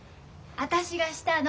私がしたの。